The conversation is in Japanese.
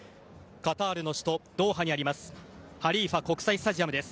カタールの首都ドーハにあります